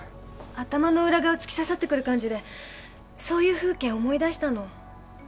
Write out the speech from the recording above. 頭の裏側突き刺さってくる感じでそういう風景思い出したの。